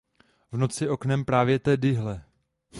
V noci, oknem, právě tadyhle.